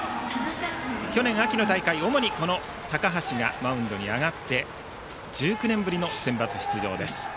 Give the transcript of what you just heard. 去年秋の大会、主にこの高橋がマウンドに上がって１９年ぶりのセンバツ出場です。